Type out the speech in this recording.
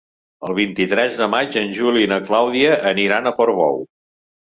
El vint-i-tres de maig en Juli i na Clàudia aniran a Portbou.